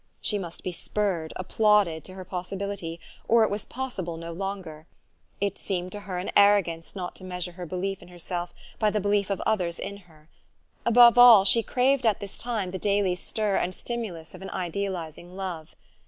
She must be spurred, applauded, to her possibility, or it was possible no longer. It seemed to her an arrogance not to measure her belief in herself by the belief of others in her. Above all, she craved at this time the daily stir and stimulus of an idealizing love.